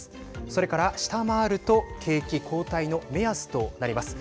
それから、下回ると景気後退の目安となります。